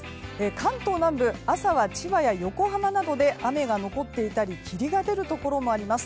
関東南部、朝は千葉や横浜などで雨が残っていたり霧が出るところもあります。